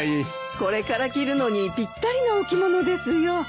これから着るのにぴったりなお着物ですよ。